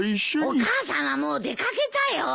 お母さんはもう出掛けたよ！